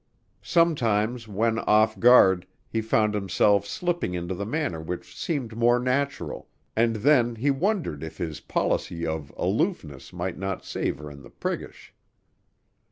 Sometimes when off guard, he found himself slipping into the manner which seemed more natural, and then he wondered if his policy of aloofness might not savor of the priggish.